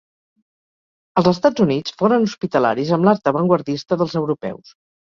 Els Estats Units foren hospitalaris amb l'art avantguardista dels europeus.